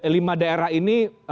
lima daerah ini